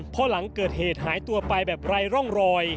พอหลังเกิดเหตุหายตัวไปแบบไร้ร่องรอย